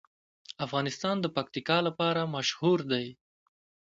افغانستان د پکتیکا لپاره مشهور دی.